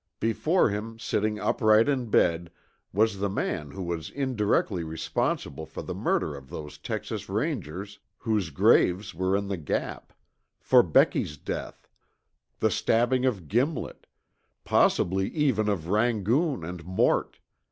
Before him, sitting upright in the bed, was the man who was indirectly responsible for the murder of those Texas Rangers, whose graves were in the Gap; for Becky's death; the stabbing of Gimlet; possibly even of Rangoon and Mort.